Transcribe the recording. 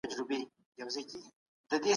هغوی د خپلو پښو په مینځلو بوخت دي.